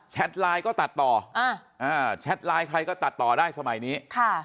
แชทไลน์ก็ตัดต่ออ่าอ่าแชทไลน์ใครก็ตัดต่อได้สมัยนี้ค่ะ